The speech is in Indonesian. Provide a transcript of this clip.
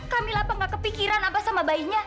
kamilah apa gak kepikiran apa sama bayinya